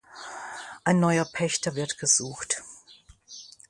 Ein neuer Pächter wird gesucht.